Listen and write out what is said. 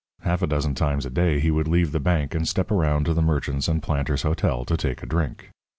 Half a dozen times a day he would leave the bank and step around to the Merchants and Planters' Hotel to take a drink.